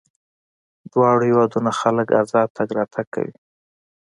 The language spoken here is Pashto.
دواړو هېوادونو خلک ازاد تګ راتګ کوي.